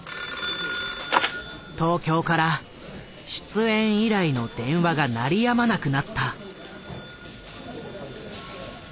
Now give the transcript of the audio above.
東京から出演依頼の電話が鳴りやまなくなった。